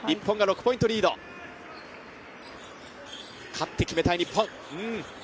勝って決めたい日本。